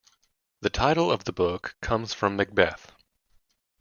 The title of the book comes from "Macbeth".